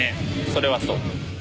それはそう。